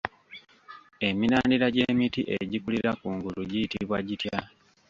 Emirandira gy'emiti egikulira kungulu giyitibwa gitya?